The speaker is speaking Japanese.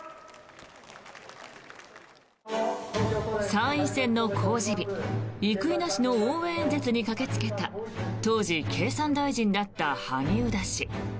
参院選の公示日生稲氏の応援演説に駆けつけた当時、経産大臣だった萩生田氏。